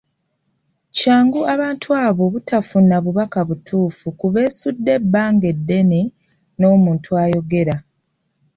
Kyangu abantu abo obutafuna bubaka butuufu ku beesudde ebbanga eddene n’omuntu ayogera.